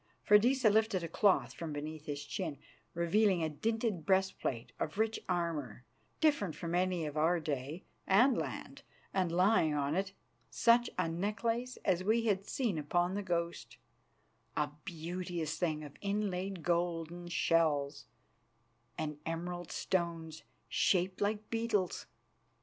Freydisa lifted a cloth from beneath the chin, revealing a dinted breastplate of rich armour, different from any of our day and land, and, lying on it, such a necklace as we had seen upon the ghost, a beauteous thing of inlaid golden shells and emerald stones shaped like beetles.